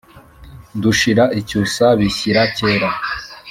dushira icyusa bishyira kera,